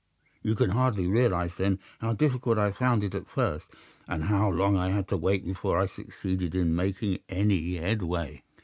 You can hardly realize, then, how difficult I found it at first, and how long I had to wait before I succeeded in making any headway.